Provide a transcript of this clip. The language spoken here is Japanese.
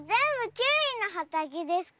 キウイのはたけですか？